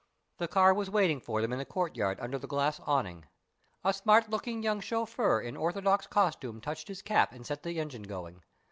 The car was waiting for them in the courtyard under the glass awning. A smart looking young chauffeur in orthodox costume touched his cap and set the engine going.